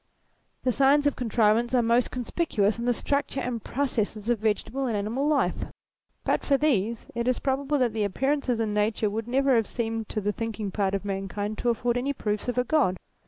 The signs of con 188 THEISM trivance are most conspicuous in the structure and. processes of vegetable and animal life. But for these, it is probable that the appearances in nature would never have seemed to the thinking part of mankind to afford any proofs of a God.